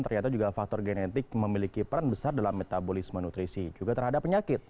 ternyata juga faktor genetik memiliki peran besar dalam metabolisme nutrisi juga terhadap penyakit